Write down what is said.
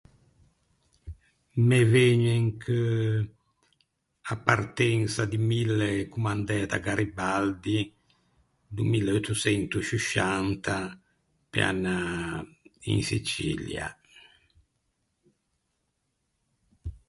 Me vëgne in cheu a partensa di Mille commandæ da Garibaldi do mille euttoçento sciuscianta pe anâ in Sicilia.